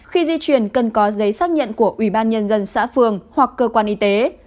khi di chuyển cần có giấy xác nhận của ủy ban nhân dân xã phường hoặc cơ quan y tế